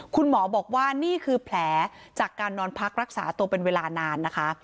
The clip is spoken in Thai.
คุณหมอบอกว่านี่คือแผลจากการนอนพักรักษาตัวเป็นเวลานานนะคะ